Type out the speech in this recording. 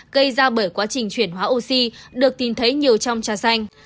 gây ra bởi quá trình chuyển hóa oxy được tìm thấy nhiều trong các chức năng